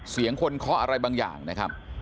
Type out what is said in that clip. เสียงคนเคาะอะไรบางอย่างนะครับ